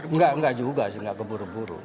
enggak enggak juga sih nggak keburu buru